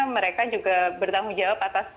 mereka juga bertanggung jawab atas